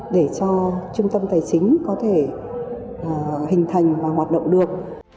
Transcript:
để cho trung tâm tài chính có thể hình thành và hoạt động được